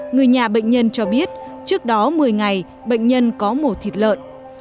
người nhà bệnh nhân cho biết trước đó một mươi ngày bệnh nhân có mổ thịt lợn